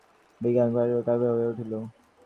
বিভাও প্রায় কারাবাসিনী হইয়া উঠিল।